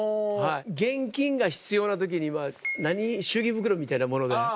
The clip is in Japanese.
現金が必要な時には祝儀袋みたいなものが。